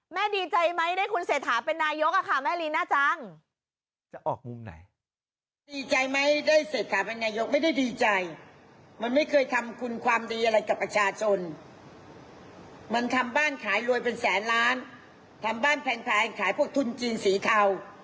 มันทำบ้านขายรวยเป็นแสนล้านทำบ้านแพงขายพวกทุนจีนสีเทา